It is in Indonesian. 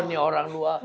ini orang dua